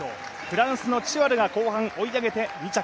フランスのチュアルが後半追い上げて２着。